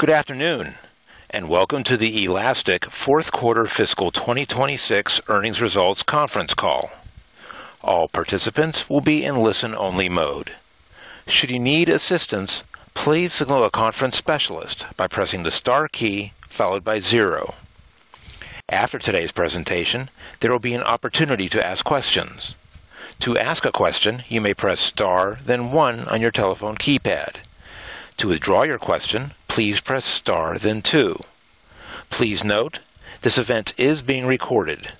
Good afternoon, welcome to the Elastic Fourth Quarter Fiscal 2026 Earnings Results Conference Call. All participants will be in listen-only mode. Should you need assistance, please signal a conference specialist by pressing the star key followed by zero. After today's presentation, there will be an opportunity to ask questions. To ask a question, you may press star then one on your telephone keypad. To withdraw your question, please press star then two. Please note, this event is being recorded.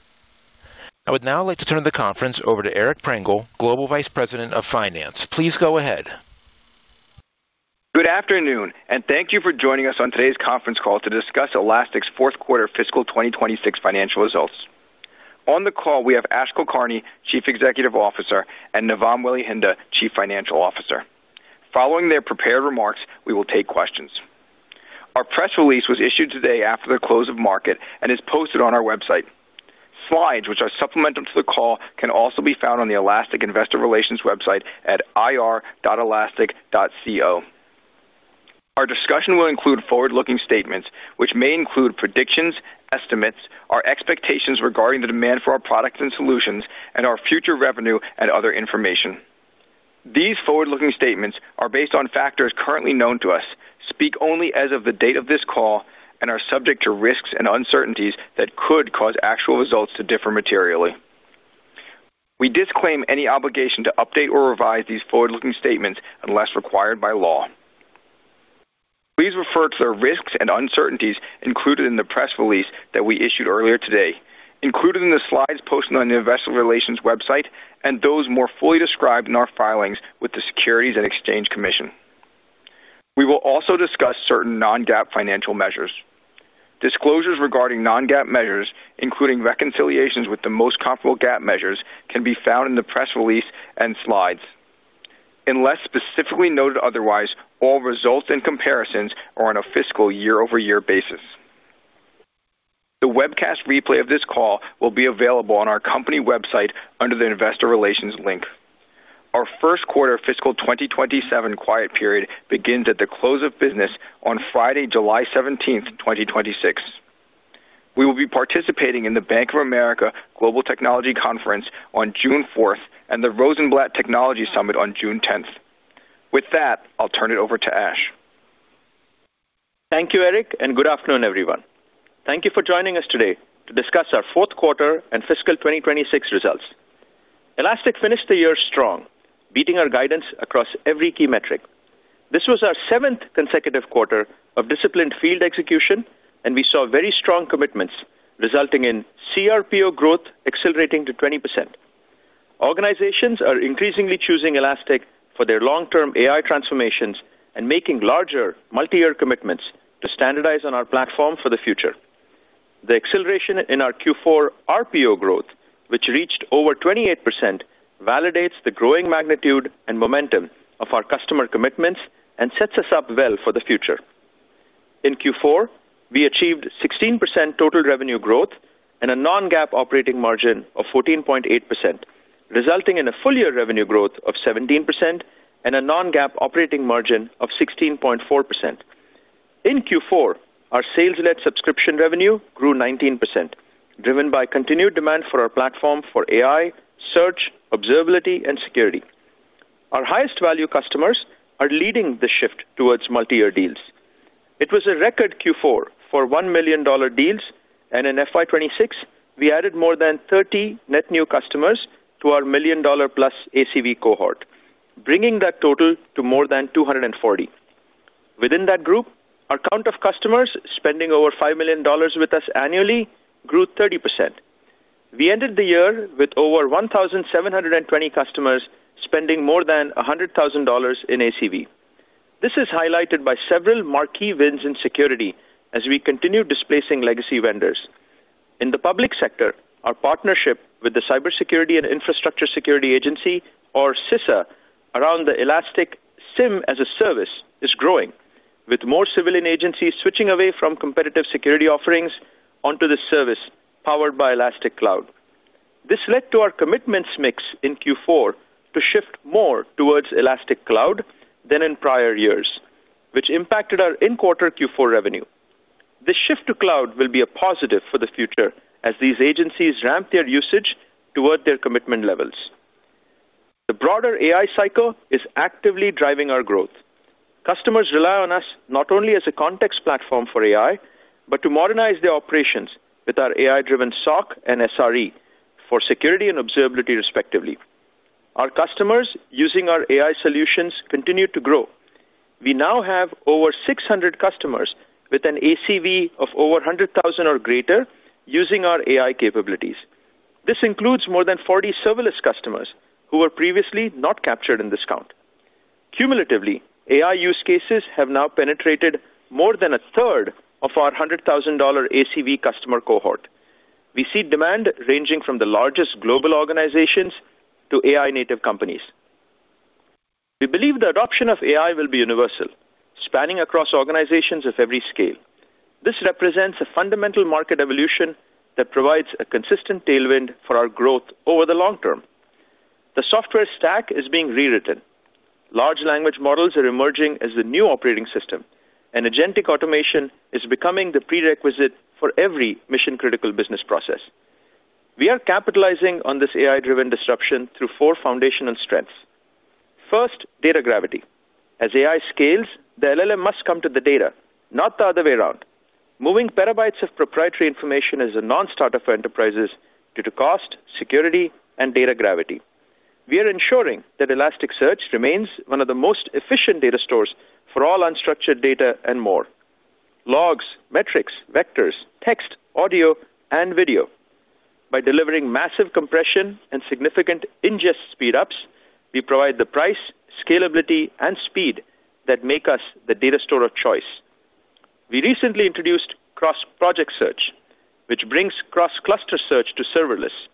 I would now like to turn the conference over to Eric Prengel, Global Vice President of Finance. Please go ahead. Good afternoon, and thank you for joining us on today's conference call to discuss Elastic's fourth quarter fiscal 2026 financial results. On the call, we have Ashutosh Kulkarni, Chief Executive Officer, and Navam Welihinda, Chief Financial Officer. Following their prepared remarks, we will take questions. Our press release was issued today after the close of market and is posted on our website. Slides, which are supplemental to the call, can also be found on the Elastic investor relations website at ir.elastic.co. Our discussion will include forward-looking statements, which may include predictions, estimates, our expectations regarding the demand for our products and solutions, and our future revenue and other information. These forward-looking statements are based on factors currently known to us, speak only as of the date of this call, and are subject to risks and uncertainties that could cause actual results to differ materially. We disclaim any obligation to update or revise these forward-looking statements unless required by law. Please refer to the risks and uncertainties included in the press release that we issued earlier today, included in the slides posted on the investor relations website, and those more fully described in our filings with the Securities and Exchange Commission. We will also discuss certain non-GAAP financial measures. Disclosures regarding non-GAAP measures, including reconciliations with the most comparable GAAP measures, can be found in the press release and slides. Unless specifically noted otherwise, all results and comparisons are on a fiscal year-over-year basis. The webcast replay of this call will be available on our company website under the investor relations link. Our first quarter fiscal 2027 quiet period begins at the close of business on Friday, July 17th, 2026. We will be participating in the Bank of America Global Technology Conference on June 4th and the Rosenblatt Technology Summit on June 10th. With that, I'll turn it over to Ash. Thank you, Eric, and good afternoon, everyone. Thank you for joining us today to discuss our fourth quarter and fiscal 2026 results. Elastic finished the year strong, beating our guidance across every key metric. This was our seventh consecutive quarter of disciplined field execution, and we saw very strong commitments resulting in CRPO growth accelerating to 20%. Organizations are increasingly choosing Elastic for their long-term AI transformations and making larger multi-year commitments to standardize on our platform for the future. The acceleration in our Q4 RPO growth, which reached over 28%, validates the growing magnitude and momentum of our customer commitments and sets us up well for the future. In Q4, we achieved 16% total revenue growth and a non-GAAP operating margin of 14.8%, resulting in a full-year revenue growth of 17% and a non-GAAP operating margin of 16.4%. In Q4, our sales-led subscription revenue grew 19%, driven by continued demand for our platform for AI, search, observability, and security. Our highest value customers are leading the shift towards multi-year deals. It was a record Q4 for $1 million deals, and in FY 2026, we added more than 30 net new customers to our million-dollar-plus ACV cohort, bringing that total to more than 240. Within that group, our count of customers spending over $5 million with us annually grew 30%. We ended the year with over 1,720 customers spending more than $100,000 in ACV. This is highlighted by several marquee wins in security as we continue displacing legacy vendors. In the public sector, our partnership with the Cybersecurity and Infrastructure Security Agency, or CISA, around the Elastic SIEM as a Service is growing, with more civilian agencies switching away from competitive security offerings onto the service powered by Elastic Cloud. This led to our commitments mix in Q4 to shift more towards Elastic Cloud than in prior years, which impacted our in-quarter Q4 revenue. This shift to cloud will be a positive for the future as these agencies ramp their usage toward their commitment levels. The broader AI cycle is actively driving our growth. Customers rely on us not only as a context platform for AI, but to modernize their operations with our AI-driven SOC and SRE for security and observability, respectively. Our customers using our AI solutions continue to grow. We now have over 600 customers with an ACV of over $100,000 or greater using our AI capabilities. This includes more than 40 serverless customers who were previously not captured in this count. Cumulatively, AI use cases have now penetrated more than 1/3 of our $100,000 ACV customer cohort. We see demand ranging from the largest global organizations to AI native companies. We believe the adoption of AI will be universal, spanning across organizations of every scale. This represents a fundamental market evolution that provides a consistent tailwind for our growth over the long term. The software stack is being rewritten. Large language models are emerging as the new operating system, and agentic automation is becoming the prerequisite for every mission-critical business process. We are capitalizing on this AI-driven disruption through four foundational strengths. First, data gravity. As AI scales, the LLM must come to the data, not the other way around. Moving petabytes of proprietary information is a non-starter for enterprises due to cost, security, and data gravity. We are ensuring that Elasticsearch remains one of the most efficient data stores for all unstructured data and more. Logs, metrics, vectors, text, audio, and video. By delivering massive compression and significant ingest speed-ups, we provide the price, scalability, and speed that make us the data store of choice. We recently introduced cross-project search, which brings cross-cluster search to serverless.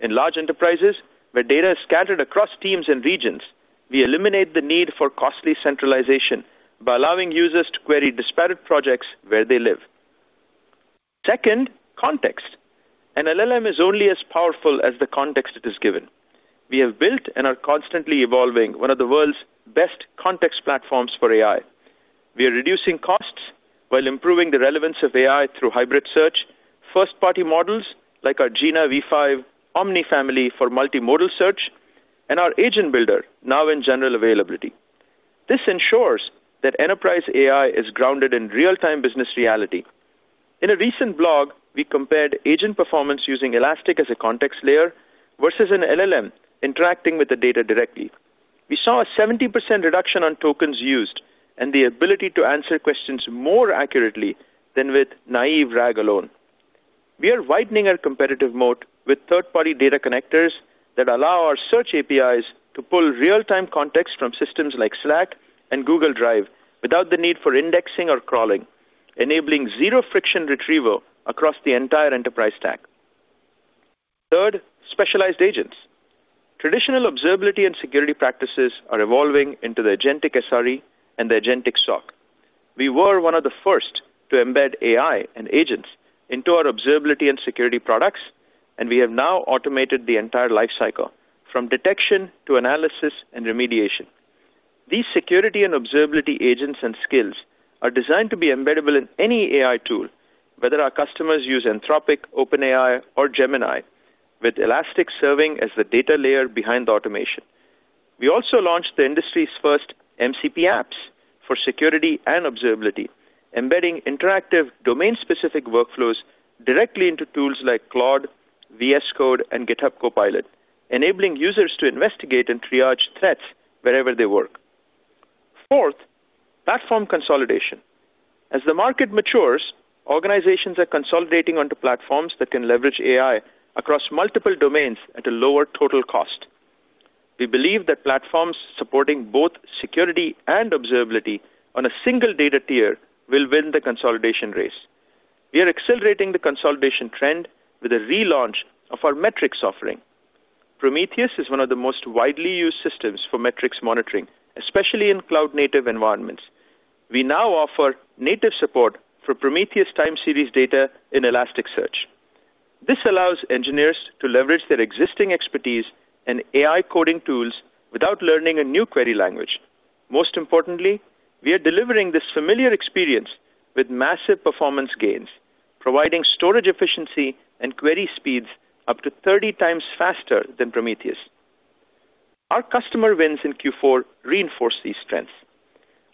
In large enterprises, where data is scattered across teams and regions, we eliminate the need for costly centralization by allowing users to query disparate projects where they live. Second, context. An LLM is only as powerful as the context it is given. We have built and are constantly evolving one of the world's best context platforms for AI. We are reducing costs while improving the relevance of AI through hybrid search, first-party models like our Jina v5 Omni family for multimodal search, and our Agent Builder, now in general availability. This ensures that enterprise AI is grounded in real-time business reality. In a recent blog, we compared agent performance using Elastic as a context layer versus an LLM interacting with the data directly. We saw a 70% reduction on tokens used and the ability to answer questions more accurately than with naive RAG alone. We are widening our competitive moat with third-party data connectors that allow our search APIs to pull real-time context from systems like Slack and Google Drive without the need for indexing or crawling, enabling zero-friction retrieval across the entire enterprise stack. Third, specialized agents. Traditional observability and security practices are evolving into the agentic SRE and the agentic SOC. We were one of the first to embed AI and agents into our observability and security products, and we have now automated the entire life cycle, from detection to analysis and remediation. These security and observability agents and skills are designed to be embeddable in any AI tool, whether our customers use Anthropic, OpenAI, or Gemini, with Elastic serving as the data layer behind the automation. We also launched the industry's first MCP Apps for security and observability, embedding interactive domain-specific workflows directly into tools like Claude, VS Code, and GitHub Copilot, enabling users to investigate and triage threats wherever they work. Fourth, platform consolidation. As the market matures, organizations are consolidating onto platforms that can leverage AI across multiple domains at a lower total cost. We believe that platforms supporting both security and observability on a single data tier will win the consolidation race. We are accelerating the consolidation trend with a relaunch of our metrics offering. Prometheus is one of the most widely used systems for metrics monitoring, especially in cloud-native environments. We now offer native support for Prometheus time-series data in Elasticsearch. This allows engineers to leverage their existing expertise and AI coding tools without learning a new query language. Most importantly, we are delivering this familiar experience with massive performance gains, providing storage efficiency and query speeds up to 30x faster than Prometheus. Our customer wins in Q4 reinforces these strengths.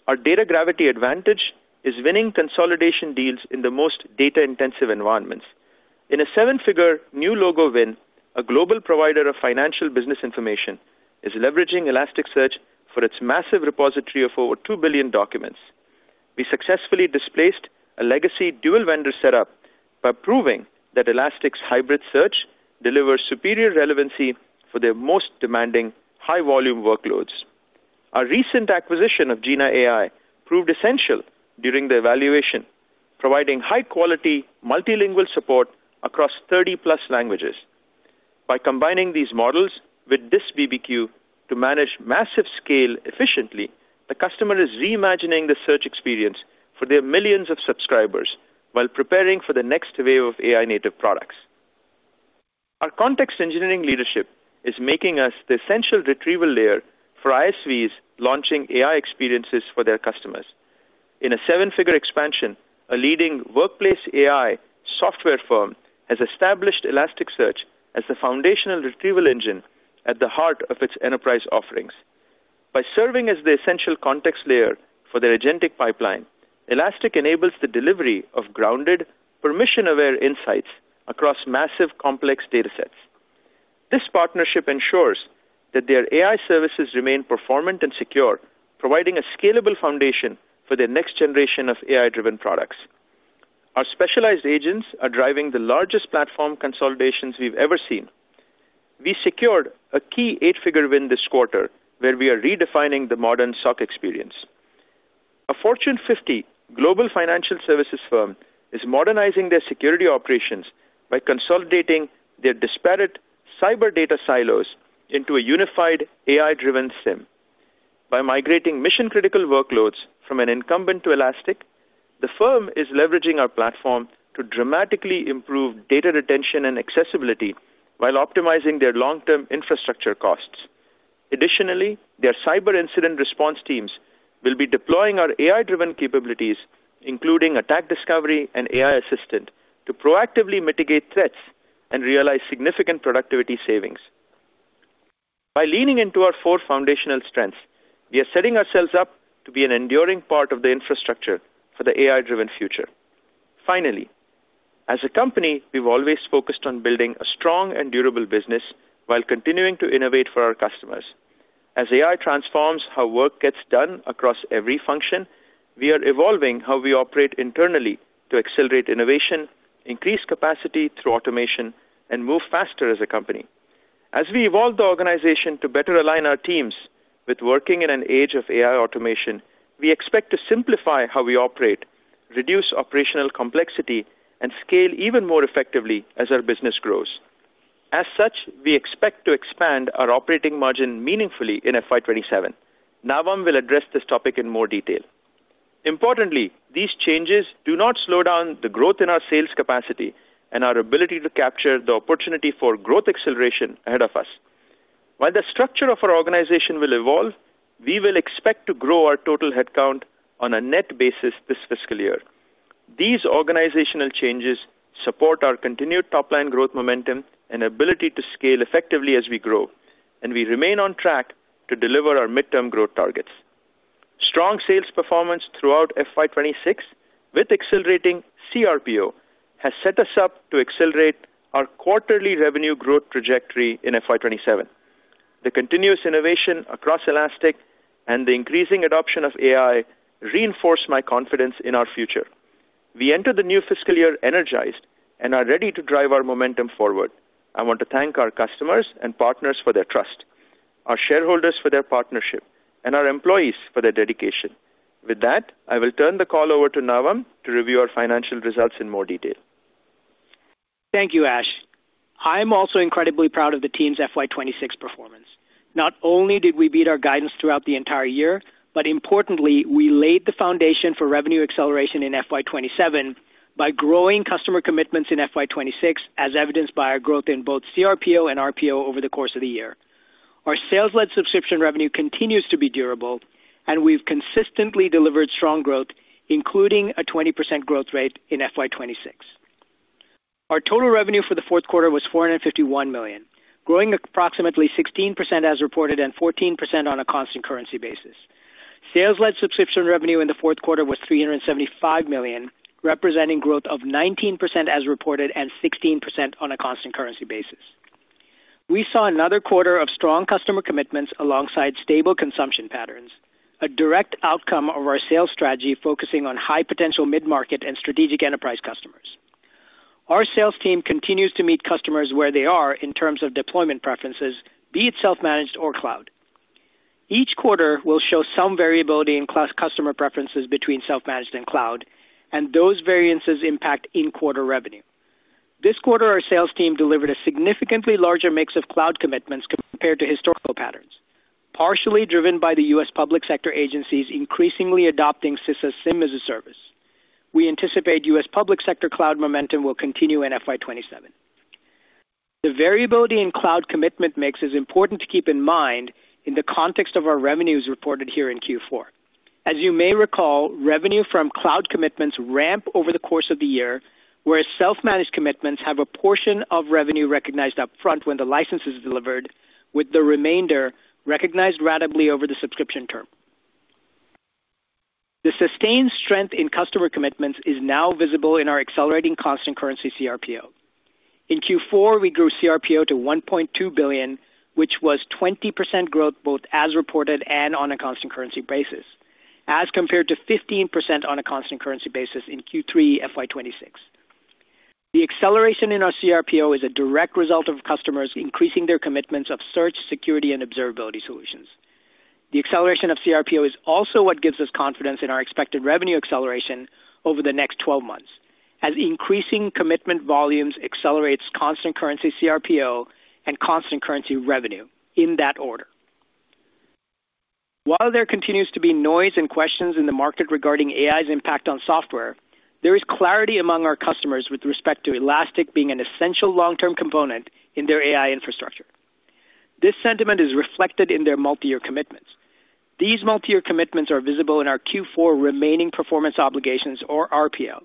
Our data gravity advantage is winning consolidation deals in the most data-intensive environments. In a seven-figure new logo win, a global provider of financial business information is leveraging Elasticsearch for its massive repository of over two billion documents. We successfully displaced a legacy dual-vendor setup by proving that Elastic Hybrid Search delivers superior relevancy for their most demanding high-volume workloads. Our recent acquisition of Jina AI proved essential during the evaluation, providing high-quality multilingual support across 30+ languages. By combining these models with DistilBERT to manage massive scale efficiently, the customer is reimagining the search experience for their millions of subscribers while preparing for the next wave of AI-native products. Our context engineering leadership is making us the essential retrieval layer for ISVs launching AI experiences for their customers. In a seven-figure expansion, a leading workplace AI software firm has established Elasticsearch as the foundational retrieval engine at the heart of its enterprise offerings. By serving as the essential context layer for their agentic pipeline, Elastic enables the delivery of grounded, permission-aware insights across massive, complex data sets. This partnership ensures that their AI services remain performant and secure, providing a scalable foundation for their next generation of AI-driven products. Our specialized agents are driving the largest platform consolidations we've ever seen. We secured a key eight-figure win this quarter, where we are redefining the modern SOC experience. A Fortune 50 global financial services firm is modernizing their security operations by consolidating their disparate cyber data silos into a unified AI-driven SIEM. By migrating mission-critical workloads from an incumbent to Elastic, the firm is leveraging our platform to dramatically improve data retention and accessibility while optimizing their long-term infrastructure costs. Additionally, their cyber incident response teams will be deploying our AI-driven capabilities, including Attack Discovery and AI Assistant, to proactively mitigate threats and realize significant productivity savings. By leaning into our four foundational strengths, we are setting ourselves up to be an enduring part of the infrastructure for the AI-driven future. Finally, as a company, we've always focused on building a strong and durable business while continuing to innovate for our customers. As AI transforms how work gets done across every function, we are evolving how we operate internally to accelerate innovation, increase capacity through automation, and move faster as a company. As we evolve the organization to better align our teams with working in an age of AI automation, we expect to simplify how we operate, reduce operational complexity, and scale even more effectively as our business grows. As such, we expect to expand our operating margin meaningfully in FY 2027. Navam will address this topic in more detail. Importantly, these changes do not slow down the growth in our sales capacity and our ability to capture the opportunity for growth acceleration ahead of us. While the structure of our organization will evolve, we will expect to grow our total headcount on a net basis this fiscal year. These organizational changes support our continued top-line growth momentum and ability to scale effectively as we grow, and we remain on track to deliver our midterm growth targets. Strong sales performance throughout FY 2026 with accelerating CRPO has set us up to accelerate our quarterly revenue growth trajectory in FY 2027. The continuous innovation across Elastic and the increasing adoption of AI reinforce my confidence in our future. We enter the new fiscal year energized and are ready to drive our momentum forward. I want to thank our customers and partners for their trust, our shareholders for their partnership, and our employees for their dedication. With that, I will turn the call over to Navam to review our financial results in more detail. Thank you, Ash. I'm also incredibly proud of the team's FY 2026 performance. Not only did we beat our guidance throughout the entire year, but importantly, we laid the foundation for revenue acceleration in FY 2027 by growing customer commitments in FY 2026, as evidenced by our growth in both CRPO and RPO over the course of the year. Our sales-led subscription revenue continues to be durable, and we've consistently delivered strong growth, including a 20% growth rate in FY 2026. Our total revenue for the fourth quarter was $451 million, growing approximately 16% as reported and 14% on a constant currency basis. Sales-led subscription revenue in the fourth quarter was $375 million, representing growth of 19% as reported and 16% on a constant currency basis. We saw another quarter of strong customer commitments alongside stable consumption patterns, a direct outcome of our sales strategy focusing on high-potential mid-market and strategic enterprise customers. Our sales team continues to meet customers where they are in terms of deployment preferences, be it self-managed or cloud. Each quarter will show some variability in customer preferences between self-managed and cloud, and those variances impact in-quarter revenue. This quarter, our sales team delivered a significantly larger mix of cloud commitments compared to historical patterns, partially driven by the U.S. public sector agencies increasingly adopting CISA SIEM as a Service. We anticipate U.S. public sector cloud momentum will continue in FY 2027. The variability in cloud commitment mix is important to keep in mind in the context of our revenues reported here in Q4. As you may recall, revenue from cloud commitments ramp over the course of the year, whereas self-managed commitments have a portion of revenue recognized up front when the license is delivered, with the remainder recognized ratably over the subscription term. The sustained strength in customer commitments is now visible in our accelerating constant currency CRPO. In Q4, we grew CRPO to $1.2 billion, which was 20% growth both as reported and on a constant currency basis, as compared to 15% on a constant currency basis in Q3 FY 2026. The acceleration in our CRPO is a direct result of customers increasing their commitments of search, security, and observability solutions. The acceleration of CRPO is also what gives us confidence in our expected revenue acceleration over the next 12 months, as increasing commitment volumes accelerates constant currency CRPO and constant currency revenue, in that order. While there continues to be noise and questions in the market regarding AI's impact on software, there is clarity among our customers with respect to Elastic being an essential long-term component in their AI infrastructure. This sentiment is reflected in their multi-year commitments. These multi-year commitments are visible in our Q4 remaining performance obligations, or RPO.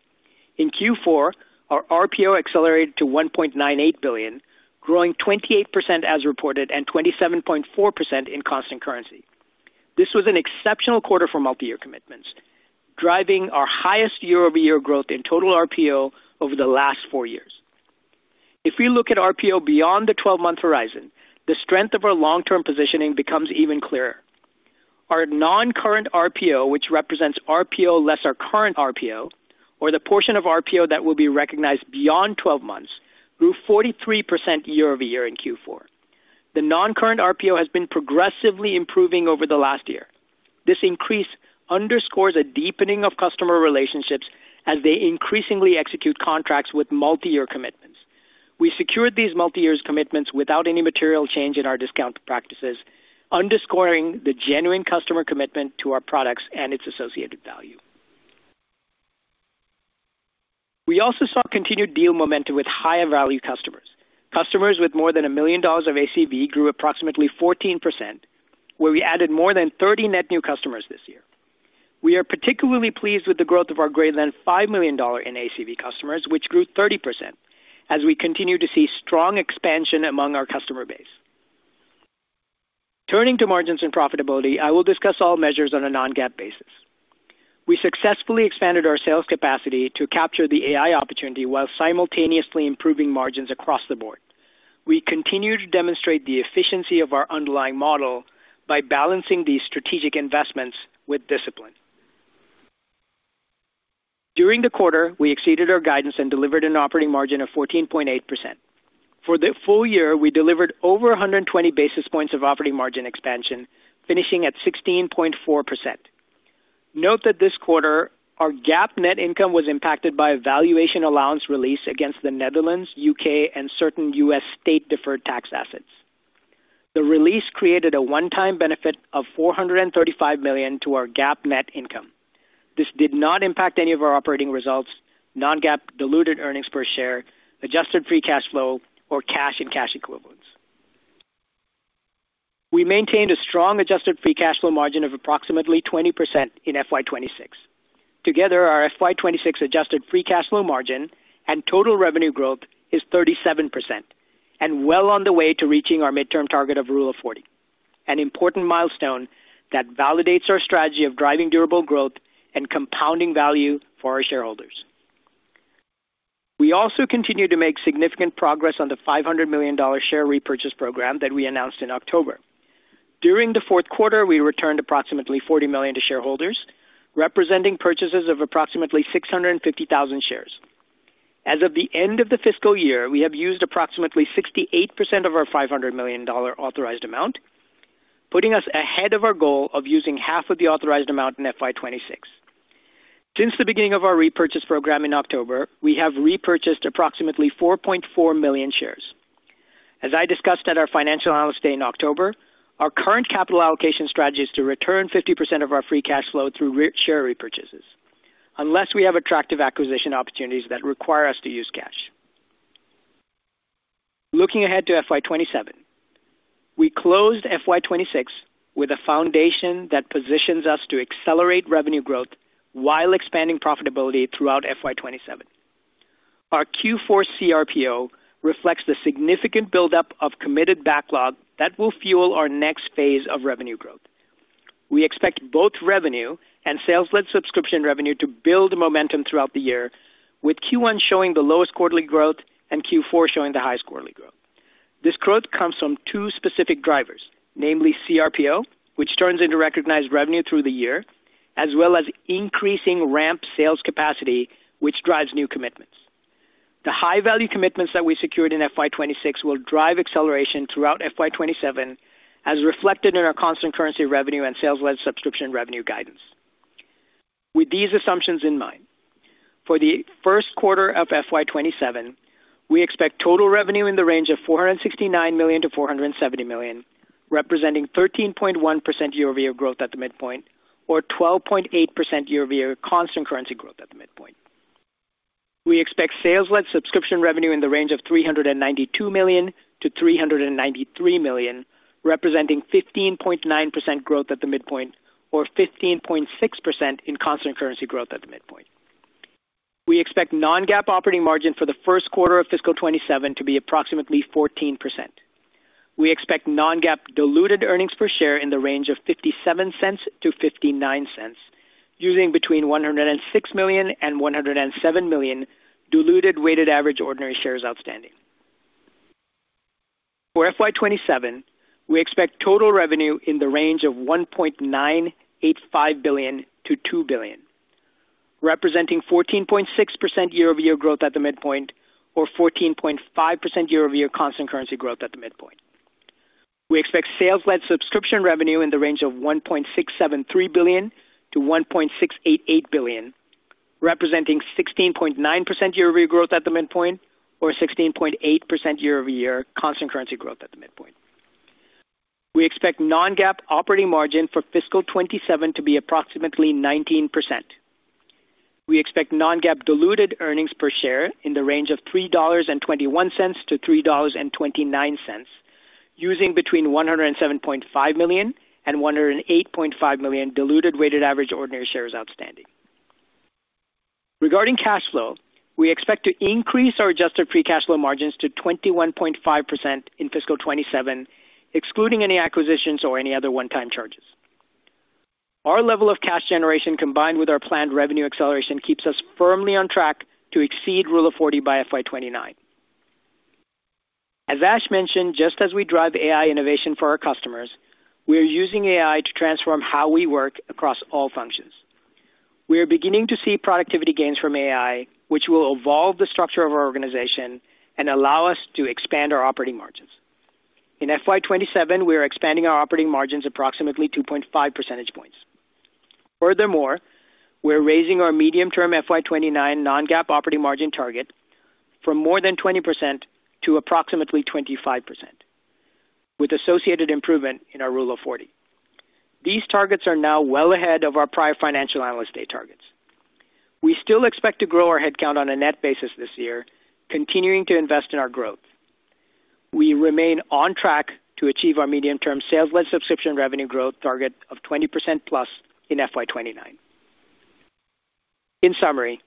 In Q4, our RPO accelerated to $1.98 billion, growing 28% as reported and 27.4% in constant currency. This was an exceptional quarter for multi-year commitments, driving our highest year-over-year growth in total RPO over the last four years. If we look at RPO beyond the 12-month horizon, the strength of our long-term positioning becomes even clearer. Our non-current RPO, which represents RPO less our current RPO, or the portion of RPO that will be recognized beyond 12 months, grew 43% year-over-year in Q4. The non-current RPO has been progressively improving over the last year. This increase underscores a deepening of customer relationships as they increasingly execute contracts with multi-year commitments. We secured this multi-year commitments without any material change in our discount practices, underscoring the genuine customer commitment to our products and its associated value. We also saw continued deal momentum with higher value customers. Customers with more than $1 million of ACV grew approximately 14%, where we added more than 30 net new customers this year. We are particularly pleased with the growth of our greater than $5 million in ACV customers, which grew 30%, as we continue to see strong expansion among our customer base. Turning to margins and profitability, I will discuss all measures on a non-GAAP basis. We successfully expanded our sales capacity to capture the AI opportunity while simultaneously improving margins across the board. We continue to demonstrate the efficiency of our underlying model by balancing these strategic investments with discipline. During the quarter, we exceeded our guidance and delivered an operating margin of 14.8%. For the full year, we delivered over 120 basis points of operating margin expansion, finishing at 16.4%. Note that this quarter, our GAAP net income was impacted by a valuation allowance release against the Netherlands, U.K., and certain U.S. state deferred tax assets. The release created a 1x benefit of $435 million to our GAAP net income. This did not impact any of our operating results, non-GAAP diluted earnings per share, adjusted free cash flow, or cash and cash equivalents. We maintained a strong adjusted free cash flow margin of approximately 20% in FY 2026. Together, our FY 2026 adjusted free cash flow margin and total revenue growth is 37% and well on the way to reaching our midterm target of rule of 40, an important milestone that validates our strategy of driving durable growth and compounding value for our shareholders. We also continue to make significant progress on the $500 million share repurchase program that we announced in October. During the fourth quarter, we returned approximately $40 million to shareholders, representing purchases of approximately 650,000 shares. As of the end of the fiscal year, we have used approximately 68% of our $500 million authorized amount, putting us ahead of our goal of using 1/2 of the authorized amount in FY 2026. Since the beginning of our repurchase program in October, we have repurchased approximately 4.4 million shares. As I discussed at our financial analyst day in October, our current capital allocation strategy is to return 50% of our free cash flow through share repurchases, unless we have attractive acquisition opportunities that require us to use cash. Looking ahead to FY 2027, we closed FY 2026 with a foundation that positions us to accelerate revenue growth while expanding profitability throughout FY 2027. Our Q4 CRPO reflects the significant buildup of committed backlog that will fuel our next phase of revenue growth. We expect both revenue and sales-led subscription revenue to build momentum throughout the year, with Q1 showing the lowest quarterly growth and Q4 showing the highest quarterly growth. This growth comes from two specific drivers, namely CRPO, which turns into recognized revenue through the year, as well as increasing ramp sales capacity, which drives new commitments. The high-value commitments that we secured in FY 2026 will drive acceleration throughout FY 2027, as reflected in our constant currency revenue and sales-led subscription revenue guidance. With these assumptions in mind, for the first quarter of FY 2027, we expect total revenue in the range of $469 million-$470 million, representing 13.1% year-over-year growth at the midpoint or 12.8% year-over-year constant currency growth at the midpoint. We expect sales-led subscription revenue in the range of $392 million-$393 million, representing 15.9% growth at the midpoint or 15.6% in constant currency growth at the midpoint. We expect non-GAAP operating margin for the first quarter of fiscal 2027 to be approximately 14%. We expect non-GAAP diluted earnings per share in the range of $0.57-$0.59, using between 106 million and 107 million diluted weighted average ordinary shares outstanding. For FY 2027, we expect total revenue in the range of $1.985 billion-$2 billion, representing 14.6% year-over-year growth at the midpoint or 14.5% year-over-year constant currency growth at the midpoint. We expect sales-led subscription revenue in the range of $1.673 billion-$1.688 billion, representing 16.9% year-over-year growth at the midpoint or 16.8% year-over-year constant currency growth at the midpoint. We expect non-GAAP operating margin for fiscal 2027 to be approximately 19%. We expect non-GAAP diluted earnings per share in the range of $3.21-$3.29, using between 107.5 million and 108.5 million diluted weighted average ordinary shares outstanding. Regarding cash flow, we expect to increase our adjusted free cash flow margins to 21.5% in fiscal 2027, excluding any acquisitions or any other 1x charges. Our level of cash generation, combined with our planned revenue acceleration, keeps us firmly on track to exceed rule of 40 by FY 2029. As Ash mentioned, just as we drive AI innovation for our customers, we are using AI to transform how we work across all functions. We are beginning to see productivity gains from AI, which will evolve the structure of our organization and allow us to expand our operating margins. In FY 2027, we are expanding our operating margins approximately 2.5 percentage points. Furthermore, we're raising our medium-term FY 2029 non-GAAP operating margin target from more than 20% to approximately 25%, with associated improvement in our Rule of 40. These targets are now well ahead of our prior financial analyst day targets. We still expect to grow our headcount on a net basis this year, continuing to invest in our growth. We remain on track to achieve our medium-term sales-led subscription revenue growth target of 20%+ in FY 2029. In summary,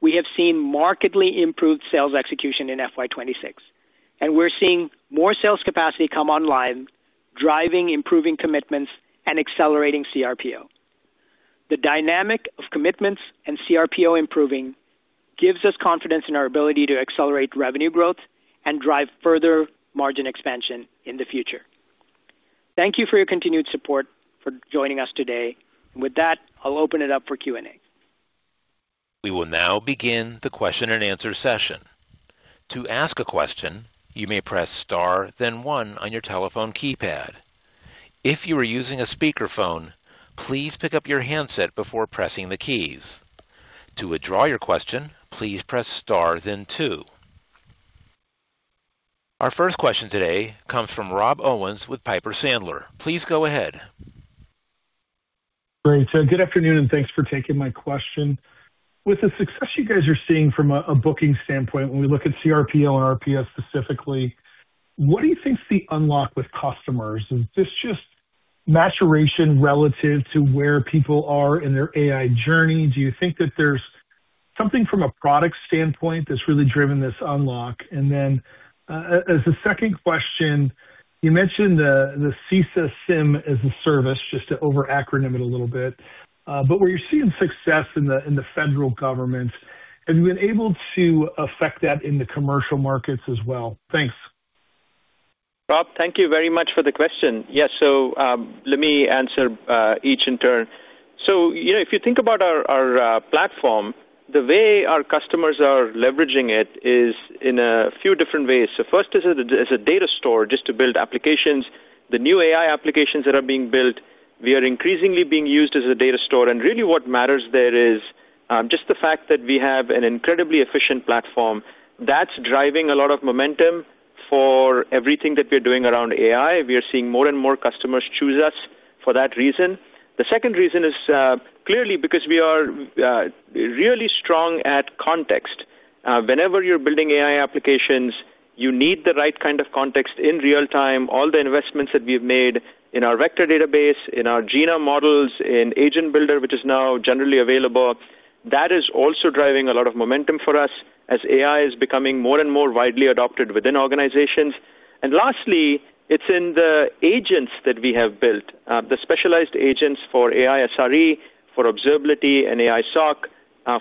we have seen markedly improved sales execution in FY 2026, and we're seeing more sales capacity come online, driving improving commitments and accelerating CRPO. The dynamic of commitments and CRPO improving gives us confidence in our ability to accelerate revenue growth and drive further margin expansion in the future. Thank you for your continued support for joining us today. With that, I'll open it up for Q&A. We will now begin the question-and-answer session. To ask a question, you may press star then one on your telephone keypad. If you are using a speakerphone, please pick up your handset before pressing the keys. To withdraw your question, please press star then two. Our first question today comes from Rob Owens with Piper Sandler. Please go ahead. Great. Good afternoon, thanks for taking my question. With the success you guys are seeing from a booking standpoint, when we look at CRPO and RPO specifically, what do you think is the unlock with customers? Is this just maturation relative to where people are in their AI journey? Do you think that there's something from a product standpoint that's really driven this unlock? As the second question, you mentioned the CISA SIEM as a Service, just to over-acronym it a little bit. Where you're seeing success in the federal government, have you been able to affect that in the commercial markets as well? Thanks. Rob, thank you very much for the question. Yeah. Let me answer each in turn. If you think about our platform, the way our customers are leveraging it is in a few different ways. First, as a data store, just to build applications, the new AI applications that are being built, we are increasingly being used as a data store. Really what matters there is just the fact that we have an incredibly efficient platform. That's driving a lot of momentum for everything that we're doing around AI. We are seeing more and more customers choose us for that reason. The second reason is clearly because we are really strong at context. Whenever you're building AI applications, you need the right kind of context in real time. All the investments that we've made in our vector database, in our Jina models, in Agent Builder, which is now generally available, that is also driving a lot of momentum for us as AI is becoming more and more widely adopted within organizations. Lastly, it's in the agents that we have built, the specialized agents for AI SRE, for observability and AI SOC,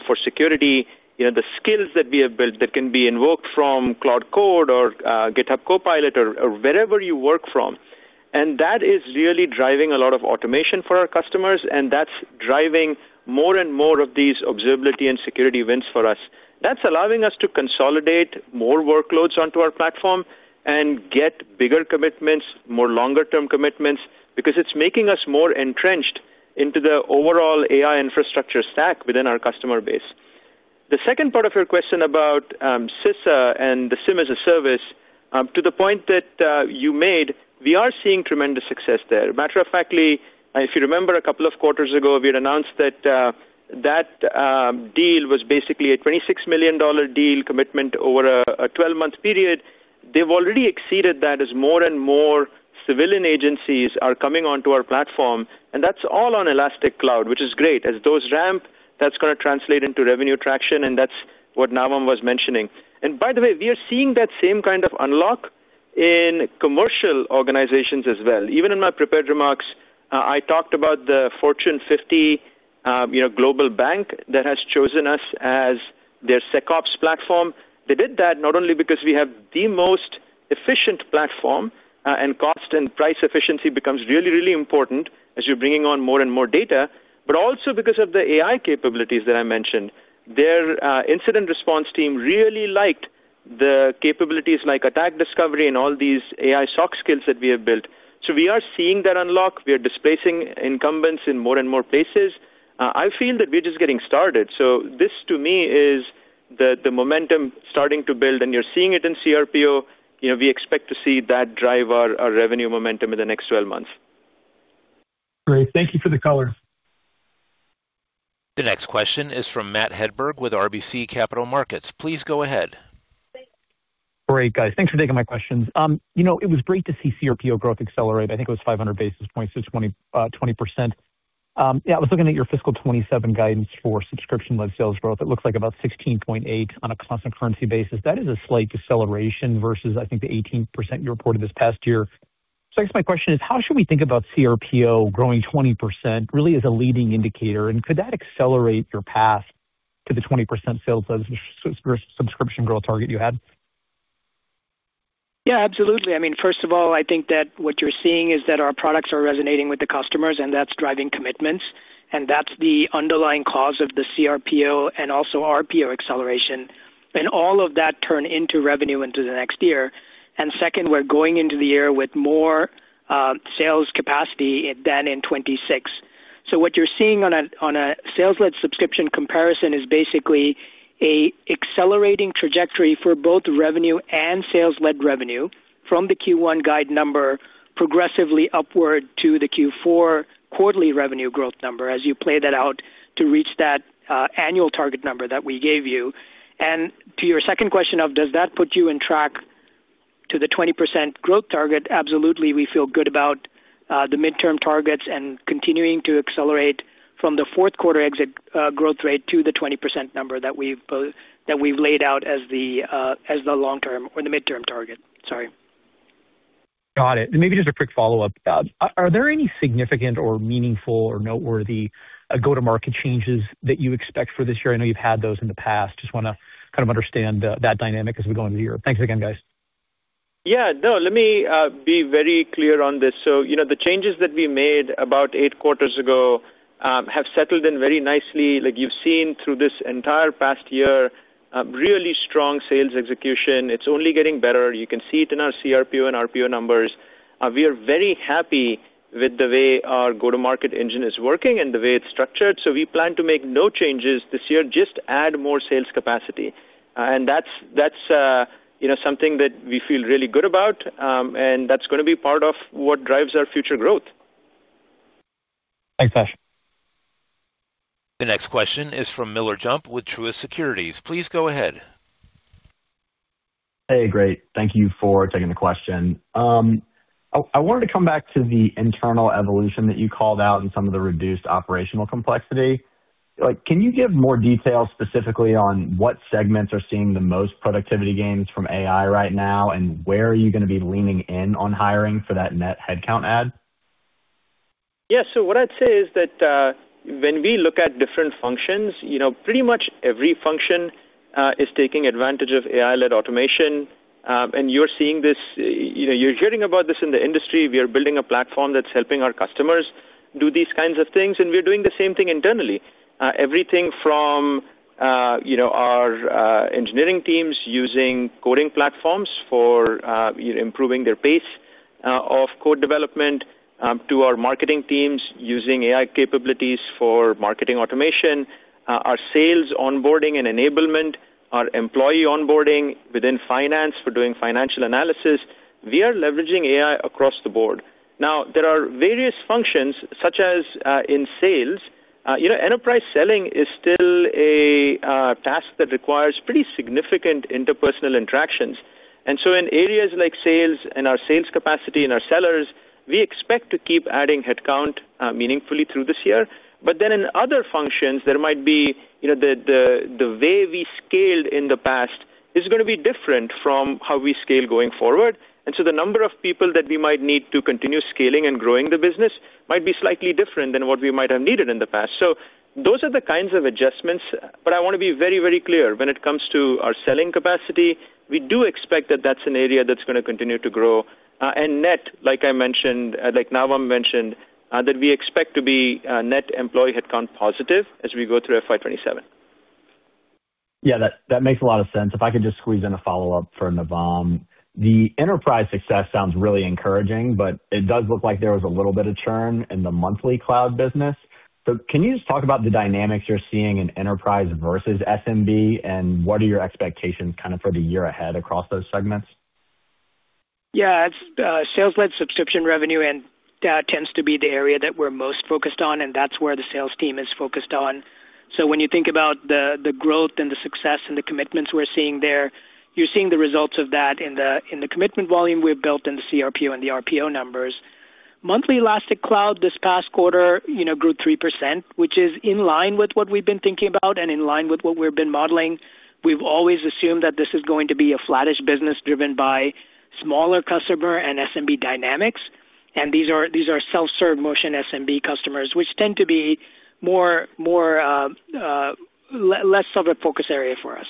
for security, the skills that we have built that can be invoked from Claude Code or GitHub Copilot or wherever you work from. That is really driving a lot of automation for our customers, and that's driving more and more of these observability and security wins for us. That's allowing us to consolidate more workloads onto our platform and get bigger commitments, more longer-term commitments, because it's making us more entrenched into the overall AI infrastructure stack within our customer base. The second part of your question about CISA and the SIEM as a service, to the point that you made, we are seeing tremendous success there. Matter of factly, if you remember, a couple of quarters ago, we had announced that that deal was basically a $26 million deal commitment over a 12-month period. They've already exceeded that as more and more civilian agencies are coming onto our platform, and that's all on Elastic Cloud, which is great. As those ramp, that's going to translate into revenue traction, and that's what Navam was mentioning. By the way, we are seeing that same kind of unlock in commercial organizations as well. Even in my prepared remarks, I talked about the Fortune 50 global bank that has chosen us as their SecOps platform. They did that not only because we have the most efficient platform, and cost and price efficiency becomes really, really important as you're bringing on more and more data, but also because of the AI capabilities that I mentioned. Their incident response team really liked the capabilities like Attack Discovery and all these AI SOC skills that we have built. We are seeing that unlock. We are displacing incumbents in more and more places. I feel that we're just getting started. This to me is the momentum starting to build, and you're seeing it in CRPO. We expect to see that drive our revenue momentum in the next 12 months. Great. Thank you for the color. The next question is from Matthew Hedberg with RBC Capital Markets. Please go ahead. Great, guys. Thanks for taking my questions. It was great to see CRPO growth accelerate. I think it was 500 basis points, so 20%. I was looking at your fiscal 2027 guidance for subscription-led sales growth. It looks like about 16.8% on a constant currency basis. That is a slight deceleration versus, I think, the 18% you reported this past year. I guess my question is, how should we think about CRPO growing 20% really as a leading indicator, and could that accelerate your path to the 20% sales subscription growth target you had? Absolutely. I mean, first of all, I think that what you're seeing is that our products are resonating with the customers, and that's driving commitments, and that's the underlying cause of the CRPO and also RPO acceleration. All of that turn into revenue into the next year. Second, we're going into the year with more sales capacity than in 2026. What you're seeing on a sales-led subscription comparison is basically an accelerating trajectory for both revenue and sales-led revenue from the Q1 guide number progressively upward to the Q4 quarterly revenue growth number, as you play that out, to reach that annual target number that we gave you. To your second question of does that put you in track to the 20% growth target, absolutely, we feel good about the midterm targets and continuing to accelerate from the fourth quarter exit growth rate to the 20% number that we've laid out as the long term or the midterm target. Sorry. Got it. Maybe just a quick follow-up. Are there any significant or meaningful or noteworthy go-to-market changes that you expect for this year? I know you've had those in the past. Just want to understand that dynamic as we go into the year. Thanks again, guys. Yeah, no, let me be very clear on this. The changes that we made about eight quarters ago, have settled in very nicely. Like you've seen through this entire past year, really strong sales execution. It's only getting better. You can see it in our CRPO and RPO numbers. We are very happy with the way our go-to-market engine is working and the way it's structured. We plan to make no changes this year, just add more sales capacity. That's something that we feel really good about. That's going to be part of what drives our future growth. Thanks, Ash. The next question is from Miller Jump with Truist Securities. Please go ahead. Hey, great. Thank you for taking the question. I wanted to come back to the internal evolution that you called out and some of the reduced operational complexity. Can you give more detail specifically on what segments are seeing the most productivity gains from AI right now, and where are you going to be leaning in on hiring for that net headcount add? Yeah. What I'd say is that, when we look at different functions, pretty much every function is taking advantage of AI-led automation. You're seeing this, you're hearing about this in the industry. We are building a platform that's helping our customers do these kinds of things, and we are doing the same thing internally. Everything from our engineering teams using coding platforms for improving their pace of code development, to our marketing teams using AI capabilities for marketing automation, our sales onboarding and enablement, our employee onboarding within finance for doing financial analysis. We are leveraging AI across the board. Now, there are various functions, such as, in sales. Enterprise selling is still a task that requires pretty significant interpersonal interactions. In areas like sales and our sales capacity and our sellers, we expect to keep adding headcount meaningfully through this year. In other functions, there might be the way we scaled in the past is going to be different from how we scale going forward. The number of people that we might need to continue scaling and growing the business might be slightly different than what we might have needed in the past. Those are the kinds of adjustments. I want to be very clear, when it comes to our selling capacity, we do expect that that's an area that's going to continue to grow. Net, like Navam Welihinda mentioned, that we expect to be net employee headcount positive as we go through FY 2027. Yeah, that makes a lot of sense. If I could just squeeze in a follow-up for Navam. The enterprise success sounds really encouraging, it does look like there was a little bit of churn in the monthly cloud business. Can you just talk about the dynamics you're seeing in enterprise versus SMB, and what are your expectations for the year ahead across those segments? Yeah. Sales-led subscription revenue and data tend to be the area that we're most focused on, and that's where the sales team is focused on. When you think about the growth and the success and the commitments we're seeing there, you're seeing the results of that in the commitment volume we've built in the CRPO and the RPO numbers. Monthly Elastic Cloud this past quarter grew 3%, which is in line with what we've been thinking about and in line with what we've been modeling. We've always assumed that this is going to be a flattish business driven by smaller customer and SMB dynamics. These are self-serve motion SMB customers, which tend to be less of a focus area for us.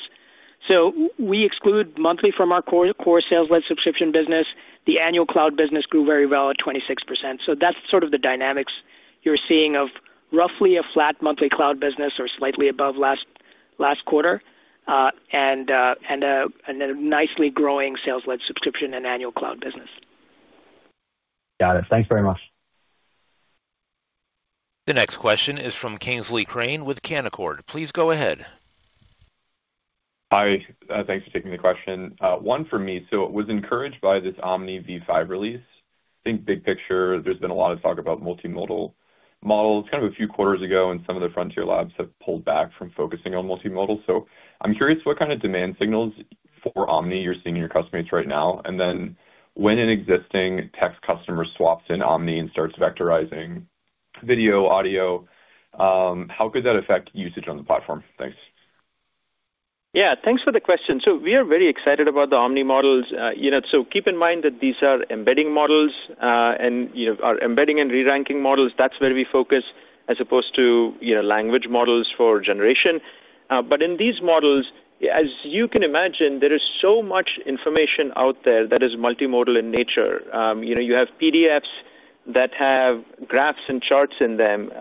We exclude monthly from our core sales-led subscription business. The annual cloud business grew very well at 26%. That's sort of the dynamics you're seeing of roughly a flat monthly cloud business or slightly above last quarter, and a nicely growing sales-led subscription and annual cloud business. Got it. Thanks very much. The next question is from Kingsley Crane with Canaccord. Please go ahead. Hi. Thanks for taking the question. One for me. Was encouraged by this Omni v5 release. I think big picture, there's been a lot of talk about multimodal models' kind of a few quarters ago, and some of the frontier labs have pulled back from focusing on multimodal. I'm curious what kind of demand signals for Omni you're seeing in your customers right now. Then when an existing text customer swaps in Omni and starts vectorizing video, audio, how could that affect usage on the platform? Thanks. Yeah, thanks for the question. We are very excited about the Omni models. Keep in mind that these are embedding models, and our embedding and re-ranking models, that's where we focus as opposed to language models for generation. In these models, as you can imagine, there is so much information out there that is multimodal in nature. You have PDFs that have graphs and charts in them.